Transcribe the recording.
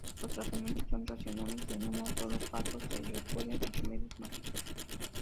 Los tratamientos son racionales, y en un solo caso se recurre a remedios mágicos.